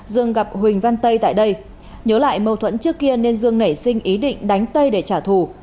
dương gặp huỳnh văn tây tại đây nhớ lại mâu thuẫn trước kia nên dương nảy sinh ý định đánh tây để trả thù